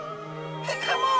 「ヘイカモン！